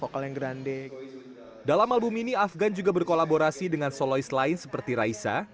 vokal yang grande dalam album ini afgan juga berkolaborasi dengan solois lain seperti raisa